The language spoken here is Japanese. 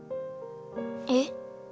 えっ？